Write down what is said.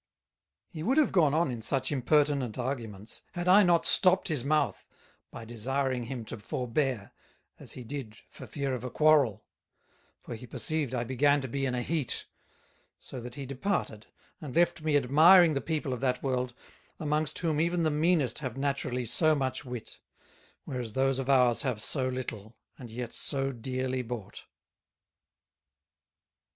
He would have gone on in such impertinent Arguments, had not I stopt his Mouth, by desiring him to forbear, as he did for fear of a quarrel; for he perceived I began to be in a heat: So that he departed, and left me admiring the People of that World, amongst whom even the meanest have Naturally so much Wit; whereas those of ours have so little, and yet so dearly bought.